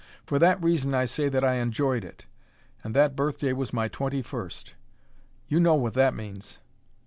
For that reason I say that I enjoyed it.... And that birthday was my twenty first. You know what that means."